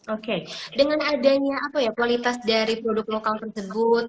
oke dengan adanya apa ya kualitas dari produk lokal tersebut